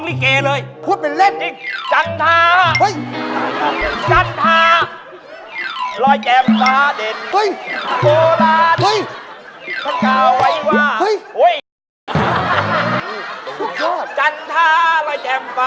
กันท้าระแยกมป้าดินเดือนเพจเบิร์กเฮ่นเด็ลมปะ